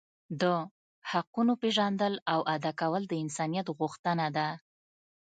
د حقونو پیژندل او ادا کول د انسانیت غوښتنه ده.